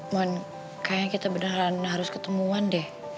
mon kayaknya kita beneran harus ketemuan deh